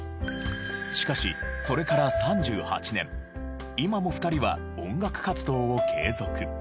しかしそれから３８年今も２人は音楽活動を継続。